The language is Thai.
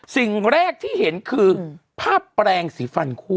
สิ่งแรกที่เห็นคือภาพแปลงสีฟันคู่